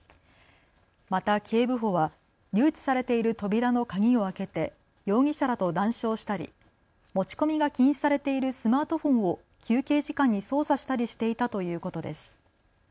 また警部補は留置されている扉の鍵を開けて容疑者らと談笑したり持ち込みが禁止されているスマートフォンを休憩時間に操作したりしていたということです。